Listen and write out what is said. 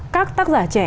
các tác giả trẻ